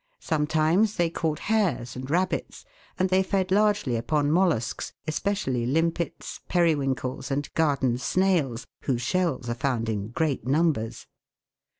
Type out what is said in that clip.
Sometimes they caught hares and rabbits, and they fed largely upon mollusks, especially limpets, periwinkles, and garden snails, whose shells are found in great numbers.